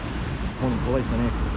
怖いですね。